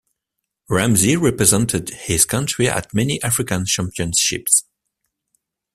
Ramzi represented his country at many African championships.